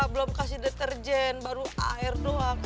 belum kasih deterjen baru air doang